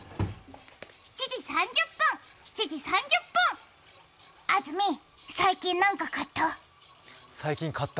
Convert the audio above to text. ７時３０分、７時３０分、あずみ、最近何か買った？